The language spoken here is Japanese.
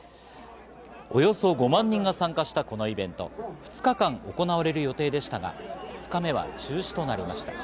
およそ５万人が参加したこのイベント、２日間行われる予定でしたが２日目は中止となりました。